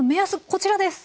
こちらです。